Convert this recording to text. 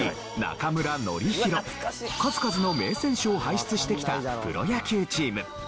数々の名選手を輩出してきたプロ野球チーム。